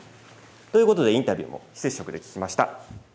ということでインタビューも非接触で聞きました。